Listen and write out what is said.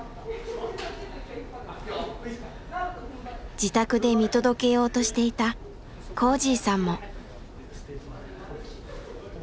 自宅で見届けようとしていたこーじぃさんも。